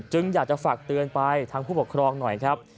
ซึ่งอยากจะฝากเตือนไปทางผู้ปกครองเนี่ยนะครับ